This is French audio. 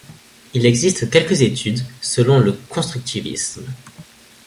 Il existe quelques études selon le constructivisme.